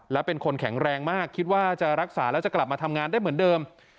และเป็นคนแข็งแรงมากคิดว่าจะรักษาแล้วจะกลับมาทำงานได้เหมือนเดิม